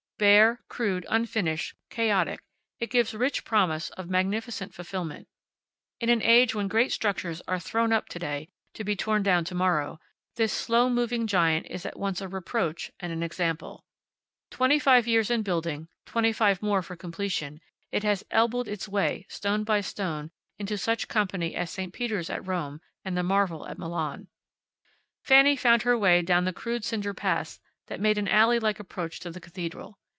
Bare, crude, unfinished, chaotic, it gives rich promise of magnificent fulfillment. In an age when great structures are thrown up to day, to be torn down to morrow, this slow moving giant is at once a reproach and an example. Twenty five years in building, twenty five more for completion, it has elbowed its way, stone by stone, into such company as St. Peter's at Rome, and the marvel at Milan. Fanny found her way down the crude cinder paths that made an alley like approach to the cathedral.